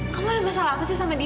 kamu ada masalah apa sih sama dia